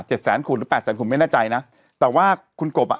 แสนขุนหรือแปดแสนขุนไม่แน่ใจนะแต่ว่าคุณกบอ่ะ